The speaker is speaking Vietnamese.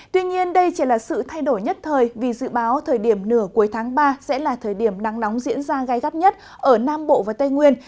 tuy nhiên đây chỉ là sự thay đổi nhất thời vì dự báo thời điểm nửa cuối tháng ba sẽ là thời điểm nắng nóng diễn ra gai gắt nhất ở nam bộ và tây nguyên